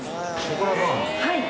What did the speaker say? はい。